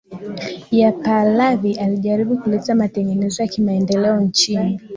ya Pahlavi Alijaribu kuleta matengenezo ya kimaendeleo nchini